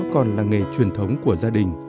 còn là nghề truyền thống của gia đình